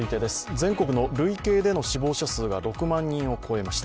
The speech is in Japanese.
全国の累計での死亡者数が６万人を超えました。